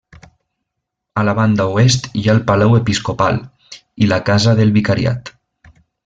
A la banda oest hi ha el palau episcopal, i la casa del Vicariat.